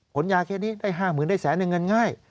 ยาแค่นี้ได้๕๐๐๐ได้แสนในเงินง่าย